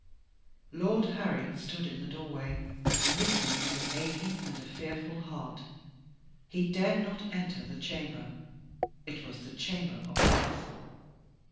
Lord Harry stood in the doorway, listening with an aching and a fearful heart. He dared not enter the chamber. It was the Chamber of Death.